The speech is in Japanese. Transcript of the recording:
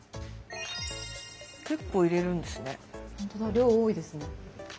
量多いですね。